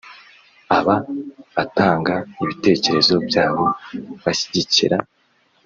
Aba batanga ibitekerezo byabo bashyigikira